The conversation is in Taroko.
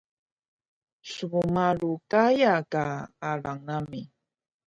smmalu Gaya ka alang nami